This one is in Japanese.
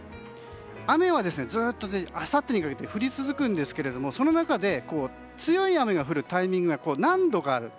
雨はずっとあさってにかけて降り続くんですけどその中で強い雨が降るタイミングが何度かある。